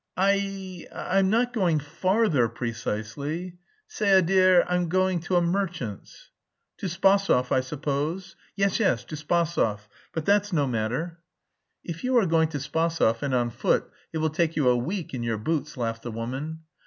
"I... I'm not going farther precisely.... C'est à dire, I'm going to a merchant's." "To Spasov, I suppose?" "Yes, yes, to Spasov. But that's no matter." "If you are going to Spasov and on foot, it will take you a week in your boots," laughed the woman.